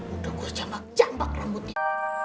udah gue jambak jambak rambutnya